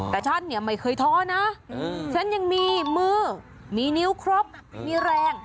แต่ฉันเนี่ยไม่เคยท้อนะฉันยังมีมือมีนิ้วครบมีแรง